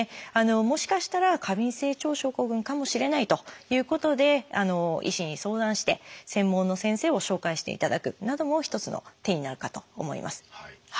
もしかしたら過敏性腸症候群かもしれないということで医師に相談して専門の先生を紹介していただくなども一つの手になるかと思います。